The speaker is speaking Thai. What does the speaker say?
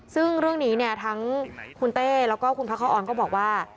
ซึ่งเรื่องนี้เนี่ยทั้งคุณเต้แล้วก็คุณพระคอนก็บอกว่า